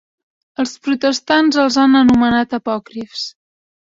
Els protestants els han anomenat apòcrifs.